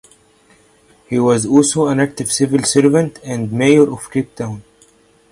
He was also an active civil servant and Mayor of Cape Town.